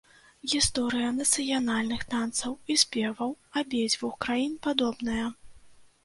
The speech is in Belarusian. Гісторыя нацыянальных танцаў і спеваў абедзвюх краін падобная.